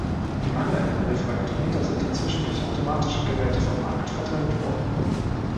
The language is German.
Die manuellen Refraktometer sind inzwischen durch automatische Geräte vom Markt verdrängt worden.